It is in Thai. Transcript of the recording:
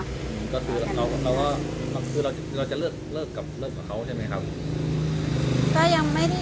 คือเราจะเลิกกับเขาใช่ไหมครับ